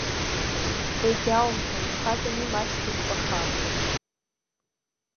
Егьаумҳәан, дхаҵами, маҷк дышәпахап!